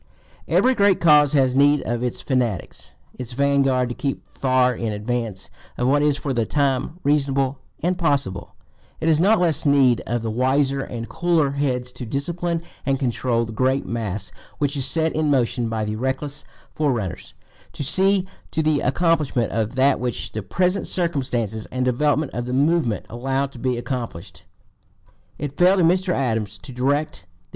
Every great cause has need of its fanatics, its vanguard to keep far in advance of what is for the time reasonable and possible; it has not less need of the wiser and cooler heads to discipline and control the great mass which is set in motion by the reckless forerunners, to see to the accomplishment of that which the present circumstances and development of the movement allow to be accomplished. It fell to Mr. Adams to direct the (p.